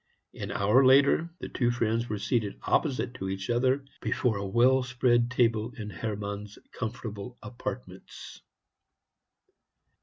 An hour later, the two friends were seated opposite to each other before a well spread table in Hermann's comfortable apartments.